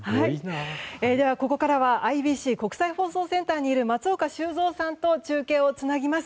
ではここからはＩＢＣ・国際放送センターにいる松岡修造さんと中継をつなぎます。